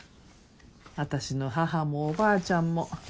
私の母もおばあちゃんも。